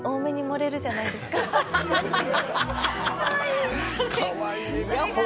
かわいいな。